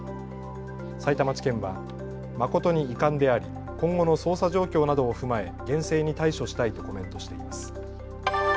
さいたま地検は誠に遺憾であり今後の捜査状況などを踏まえ厳正に対処したいとコメントしています。